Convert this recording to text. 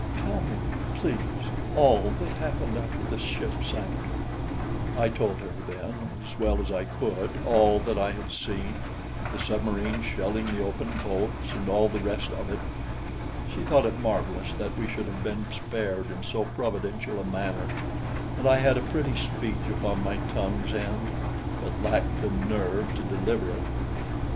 Tell me, please, all that happened after the ship sank." I told her, then, as well as I could, all that I had seen the submarine shelling the open boats and all the rest of it. She thought it marvelous that we should have been spared in so providential a manner, and I had a pretty speech upon my tongue's end, but lacked the nerve to deliver it.